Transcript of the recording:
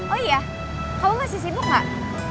oh iya kamu masih sibuk gak